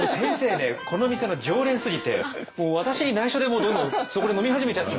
ねこの店の常連すぎてもう私に内緒でもうどんどんそこで飲み始めちゃって。